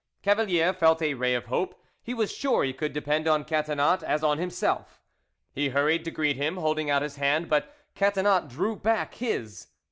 Cavalier felt a ray of hope; he was sure he could depend on Catinat as on himself. He hurried to greet him, holding out his hand; but Catinat drew back his.